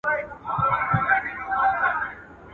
څه مو کول، چي پلار او نيکه مو کول.